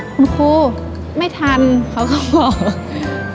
คุณครูไม่ทันเขาก็บอก